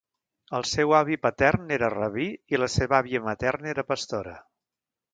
El seu avi patern era rabí i la seva àvia materna era pastora.